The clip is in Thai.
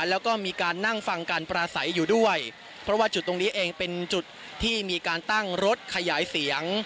แล้วก็มีการนั่งฟังการปราศัยอยู่ด้วยเพราะว่าจุดตรงนี้เองเป็นจุดที่มีการตั้งรถขยายเสียง